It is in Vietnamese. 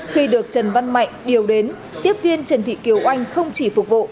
khi được trần văn mạnh điều đến tiếp viên trần thị kiều oanh không chỉ phục vụ